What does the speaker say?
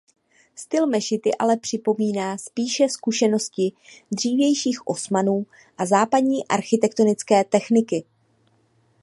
Styl mešity ale připomíná spíše zkušenosti dřívějších Osmanů a západní architektonické techniky.